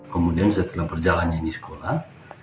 kemudian setelah berjalannya ini sekolah